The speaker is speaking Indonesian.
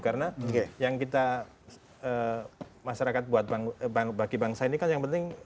karena yang kita masyarakat buat bagi bangsa ini kan yang penting